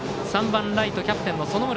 ３番ライト、キャプテンの園村。